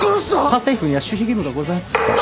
家政婦には守秘義務がございますから。